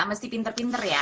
mesti pinter pinter ya